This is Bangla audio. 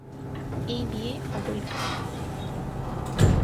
এই বিয়ে অবৈধ।